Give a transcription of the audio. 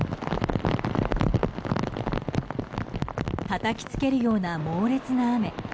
たたきつけるような猛烈な雨。